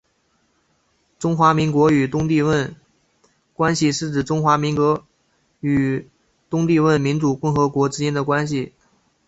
中华民国与东帝汶关系是指中华民国与东帝汶民主共和国之间的关系。